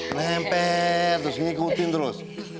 memper terus ngikutin terus